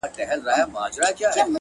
يم تږے خو پۀ هره پياله خله نۀ ږدمه زۀ